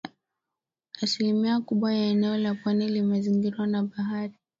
Asilimia kubwa ya eneo la pwani limezingirwa na bahari.